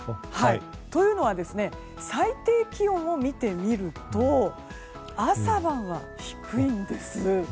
というのは最低気温を見てみると朝晩は低いんです。